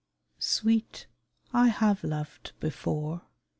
SWEET, I have loved before.